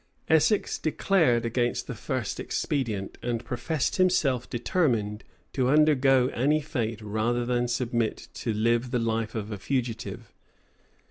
Essex declared against the first expedient, and professed himself determined to undergo any fate rather than submit to live the life of a fugitive.